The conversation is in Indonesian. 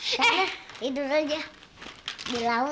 saya tidur aja di laut